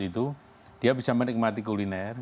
itu dia bisa menikmati kuliner